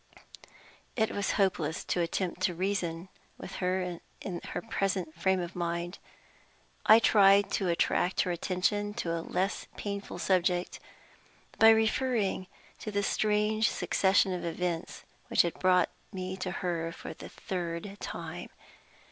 It was hopeless to attempt to reason with her in her present frame of mind. I tried to attract her attention to a less painful subject by referring to the strange succession of events which had brought me to her for the third time.